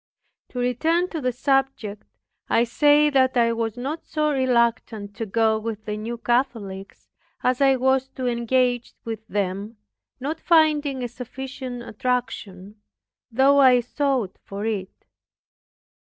To return to the subject, I say that I was not so reluctant to go with the New Catholics, as I was to engage with them, not finding a sufficient attraction, though I sought for it.